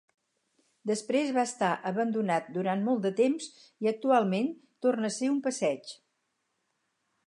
Després va estar abandonat durant molt de temps i actualment tornar a ser un passeig.